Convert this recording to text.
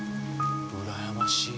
うらやましい。